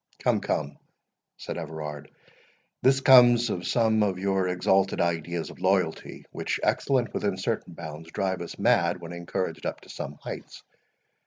"Come, come," said Everard, "this comes of some of your exalted ideas of loyalty, which, excellent within certain bounds, drive us mad when encouraged up to some heights.